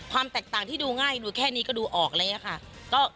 ความแตกต่างที่ดูง่ายแค่นี้ก็ดูออกเลยอะค่ะ